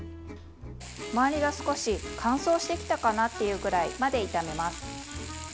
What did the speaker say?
周りが少し乾燥してきたかなというくらいまで炒めます。